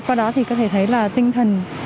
qua đó thì có thể thấy là tinh thần